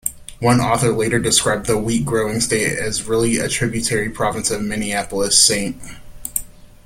One author later described the wheat-growing state as really a tributary province of Minneapolis-St.